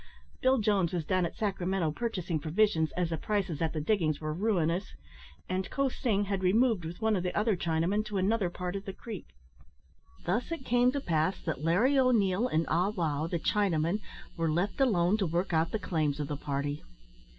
Bill Jones was down at Sacramento purchasing provisions, as the prices at the diggings were ruinous; and Ko sing had removed with one of the other Chinamen to another part of the Creek. Thus it came to pass that Larry O'Neil and Ah wow, the Chinaman, were left alone to work out the claims of the party.